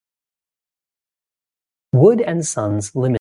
Wood and Sons Limited.